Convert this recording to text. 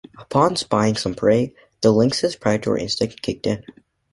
Upon spying some prey, the lynx's predatory instinct kicked in.